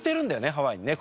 ハワイにね